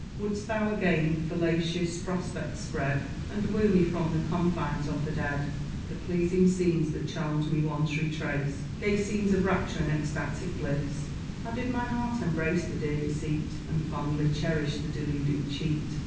Wouldst thou again fallacious prospects spread, And woo me from the confines of the dead? The pleasing scenes that charmed me once retrace Gay scenes of rapture and ecstatic bliss? How did my heart embrace the dear deceit, And fondly cherish the deluding cheat!